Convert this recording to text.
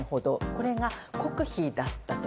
これが国費だったと。